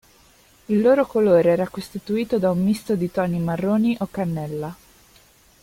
Il loro colore era costituito da un misto di toni marroni o cannella.